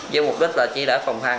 với mục đích là chỉ để phòng hăng